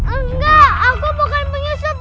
enggak aku bukan penyusup